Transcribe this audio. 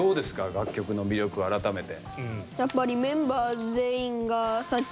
楽曲の魅力改めて。